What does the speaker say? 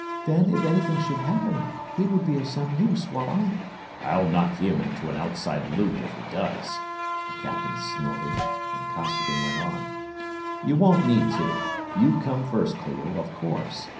Then, if anything should happen, he would be of some use, while I...." "I'll knock him into an outside loop if he does!" the captain snorted, and Costigan went on: "You won't need to. You come first, Clio, of course.